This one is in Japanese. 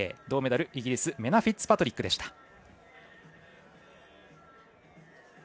銅メダル、イギリスのメナ・フィッツパトリックでした。